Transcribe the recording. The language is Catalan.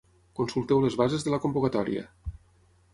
Consulteu les bases de la convocatòria.